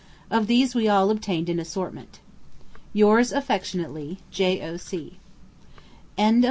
Of these we all obtained an assortment. Yours affectionately, J.O.C. Letter 10.